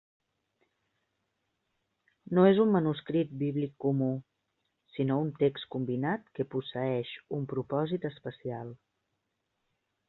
No és un manuscrit bíblic comú, sinó un text combinat que posseeix un propòsit especial.